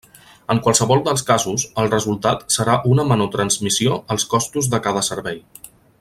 En qualsevol dels casos, el resultat serà una menor transmissió els costos de cada servei.